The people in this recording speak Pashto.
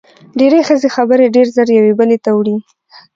ډېری ښځې خبرې ډېرې زر یوې بلې ته وړي.